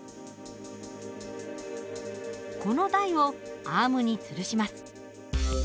この台をアームにつるします。